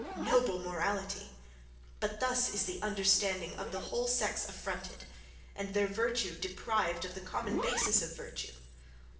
Noble morality! But thus is the understanding of the whole sex affronted, and their virtue deprived of the common basis of virtue.